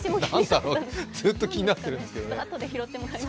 ずっと気になっているんですけどね。